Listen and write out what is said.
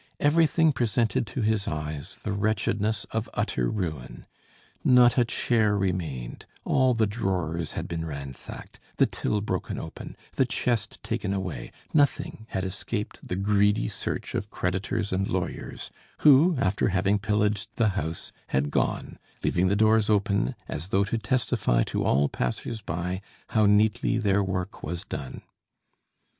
Everything presented to his eyes the wretchedness of utter ruin. Not a chair remained; all the drawers had been ransacked, the till broken open, the chest taken away; nothing had escaped the greedy search of creditors and lawyers; who, after having pillaged the house, had gone, leaving the doors open, as though to testify to all passers by how neatly their work was done.